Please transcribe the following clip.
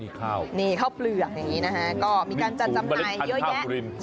นี่ข้าวเปลือกอย่างนี้นะฮะก็มีการจัดจำหน่ายเยอะแยะ